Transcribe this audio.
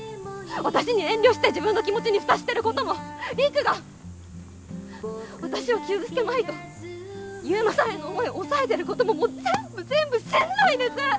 私に遠慮して自分の気持ちに蓋してることも陸が私を傷つけまいと悠磨さんへの思い抑えてることももう全部全部しんどいです！